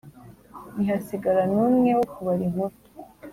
ntihasigara n'umwe wo kubara inkuru.